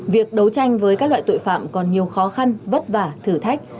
việc đấu tranh với các loại tội phạm còn nhiều khó khăn vất vả thử thách